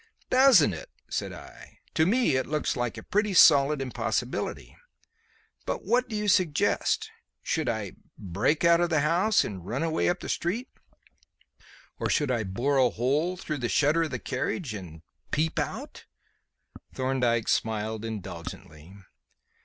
"Doesn't it?" said I. "To me it looks like a pretty solid impossibility. But what do you suggest? Should I break out of the house and run away up the street? Or should I bore a hole through the shutter of the carriage and peep out?" Thorndyke smiled indulgently.